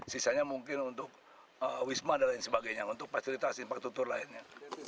sisanya mungkin untuk wisma dan lain sebagainya untuk fasilitas infrastruktur lainnya